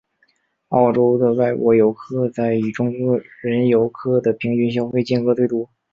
澳洲的外国游客在以中国人游客的平均消费金额最多。